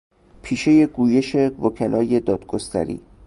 پیشه گویش وکلای دادگستری